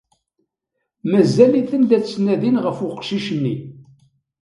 Mazal-iten la ttnadin ɣef uqcic-nni.